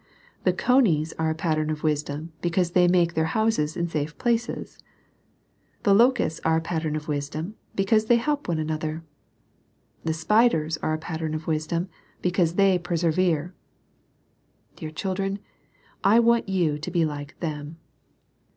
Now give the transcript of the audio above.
The conies are a pat tern of wisdom, because they make their houses in safe places. The locusts are a pattern of wisdom, because they help one another. The spiders are a pattern of wisdom, because they persevere. Dear children, I want you to be like them.